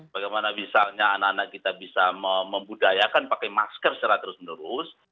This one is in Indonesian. bagaimana misalnya anak anak kita bisa membudayakan pakai masker secara terus menerus